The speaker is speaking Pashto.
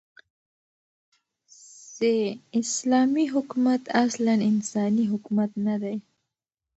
ز : اسلامې حكومت اصلاً انساني حكومت نه دى